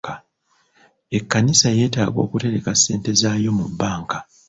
Ekkanisa yeetaaga okuteleka ssente zaayo mu bbanka.